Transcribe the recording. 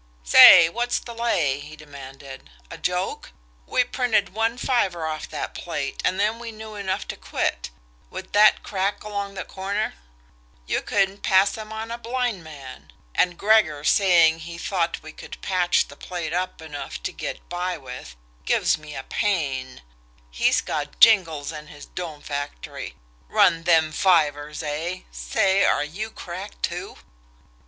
"Say, what's the lay?" he demanded. "A joke? We printed one fiver off that plate and then we knew enough to quit. With that crack along the corner, you couldn't pass 'em on a blind man! And Gregor saying he thought we could patch the plate up enough to get by with gives me a pain he's got jingles in his dome factory! Run them fivers eh say, are you cracked, too?"